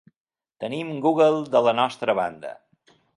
Tenim Google de la nostra banda.